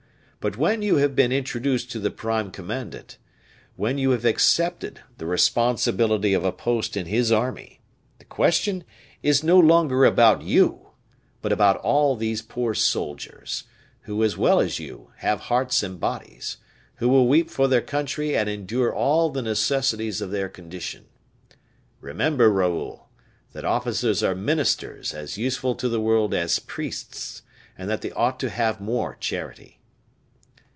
But when you have been introduced to the prime commandant when you have accepted the responsibility of a post in his army, the question is no longer about you, but about all those poor soldiers, who, as well as you, have hearts and bodies, who will weep for their country and endure all the necessities of their condition. Remember, Raoul, that officers are ministers as useful to the world as priests, and that they ought to have more charity."